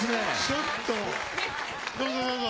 ちょっと、どうぞどうぞ。